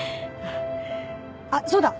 あっそうだ！